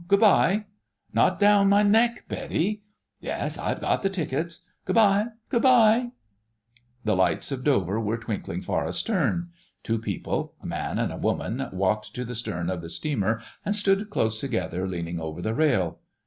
Good bye! ... Not down my neck, Betty! ... Yes, I've got the tickets—— Good bye, Good bye!——" The lights of Dover were twinkling far astern. Two people, a man and a woman, walked to the stern of the steamer and stood close together, leaning over the rail.